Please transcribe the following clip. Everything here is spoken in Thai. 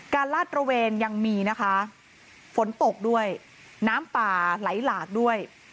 ลาดตระเวนยังมีนะคะฝนตกด้วยน้ำป่าไหลหลากด้วย